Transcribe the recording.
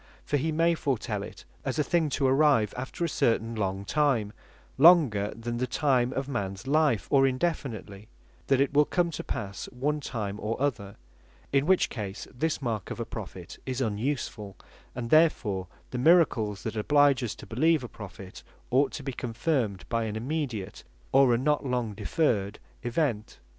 For he may foretel it as a thing to arrive after a certain long time, longer then the time of mans life; or indefinitely, that it will come to passe one time or other: in which case this mark of a Prophet is unusefull; and therefore the miracles that oblige us to beleeve a Prophet, ought to be confirmed by an immediate, or a not long deferr'd event.